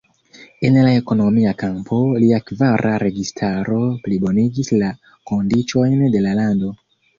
En la ekonomia kampo, lia kvara registaro plibonigis la kondiĉojn de la lando.